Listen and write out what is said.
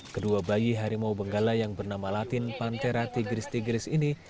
kedua bayi harimau benggala yang bernama latin pantera tigris tigris ini